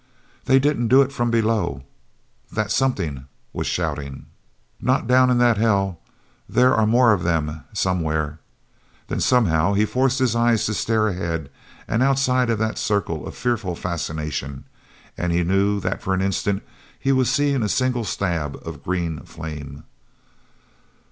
"They didn't do it from below!" that something was shouting. "Not down in that hell. There are more of them somewhere." Then somehow, he forced his eyes to stare ahead and outside of that circle of fearful fascination and he knew that for an instant he was seeing a single stab of green flame.